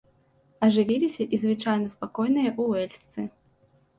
Ажывіліся і звычайна спакойныя уэльсцы.